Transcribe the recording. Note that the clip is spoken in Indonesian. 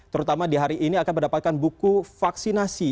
terutama di hari ini akan mendapatkan buku vaksinasi